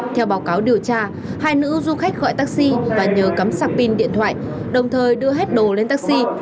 theo báo cáo điều tra hai nữ du khách gọi taxi và nhờ cắm sạc pin điện thoại đồng thời đưa hết đồ lên taxi